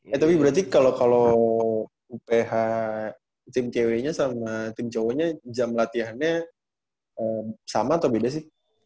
ya tapi berarti kalo kalo uph tim ceweknya sama tim cowoknya jam latihannya sama atau beda sih